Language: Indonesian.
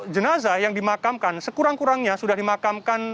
jenazah yang dimakamkan sekurang kurangnya sudah dimakamkan